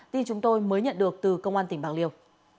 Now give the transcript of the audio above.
tin chúng tôi mới nhận được từ công an tỉnh bạc liêu